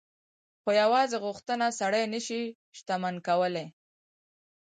خو يوازې غوښتنه سړی نه شي شتمن کولای.